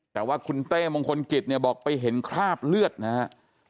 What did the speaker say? แต่ว่าคุณเต้มงคลกิจเนี่ยบอกไปเห็นคราบเลือดนะฮะ